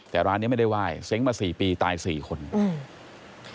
แต่ร้านเนี้ยไม่ได้ไหว้เซ้งมาสี่ปีตายสี่คนอืม